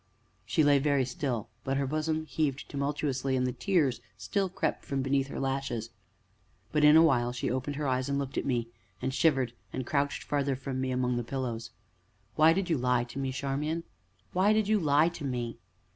She lay very still, but her bosom heaved tumultuously, and the tears still crept from beneath her lashes; but in a while she opened her eyes and looked at me, and shivered, and crouched farther from me, among the pillows. "Why did you lie to me, Charmian; why did you lie to me?"